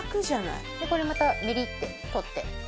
でこれまたビリッて取って。